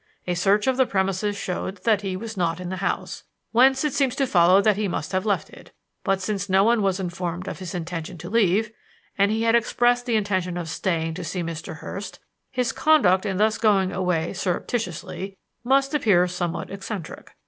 A search of the premises showed that he was not in the house, whence it seems to follow that he must have left it; but since no one was informed of his intention to leave, and he had expressed the intention of staying to see Mr. Hurst, his conduct in thus going away surreptitiously must appear somewhat eccentric.